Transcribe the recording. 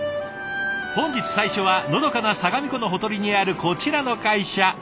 本日最初はのどかな相模湖のほとりにあるこちらの会社。